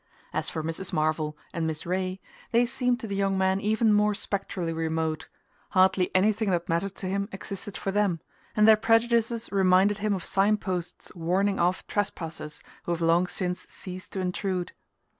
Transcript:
As for Mrs. Marvell and Miss Ray, they seemed to the young man even more spectrally remote: hardly anything that mattered to him existed for them, and their prejudices reminded him of sign posts warning off trespassers who have long since ceased to intrude.